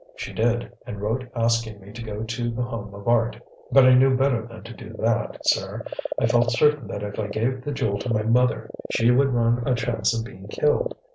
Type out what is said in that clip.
She did, and wrote asking me to go to The Home of Art. But I knew better than to do that, sir. I felt certain that if I gave the jewel to my mother she would run a chance of being killed.